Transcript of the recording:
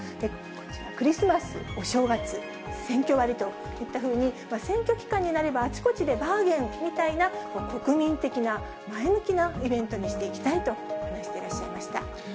クリスマス、お正月、選挙割といったふうに、選挙期間になれば、あちこちでバーゲンみたいな、国民的な前向きなイベントにしていきたいと話してらっしゃいまし